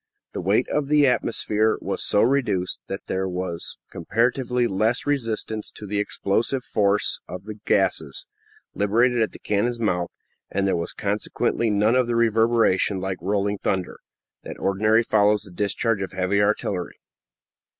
The weight of the atmosphere was so reduced that there was comparatively little resistance to the explosive force of the gases, liberated at the cannon's mouth, and there was consequently none of the reverberation, like rolling thunder, that ordinarily follows the discharge of heavy artillery.